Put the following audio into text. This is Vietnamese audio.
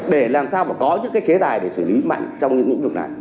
để làm sao mà có những cái chế tài để xử lý mạnh trong những vấn đề này